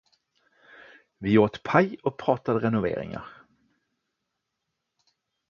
Vi åt paj och pratade renoveringar.